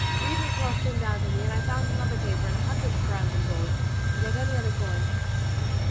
Reed and cloth came down to me, and I found another paper and a hundred crowns in gold, without any other coin.